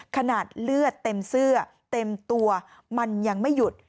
ขนาดเลือดเต็มเสื้อเต็มตัวมันยังไม่หยุด